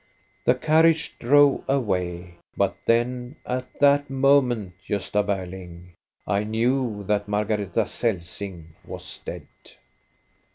*' The carriage drove away, but then, at that moment, Gosta Berling, I knew that Margareta Celsing was dead.